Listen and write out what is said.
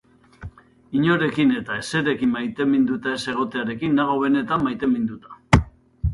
Inorekin eta ezerekin maiteminduta ez egotearekin nago benetan maiteminduta.